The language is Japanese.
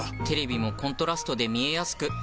テレビもコントラストで見えやすく。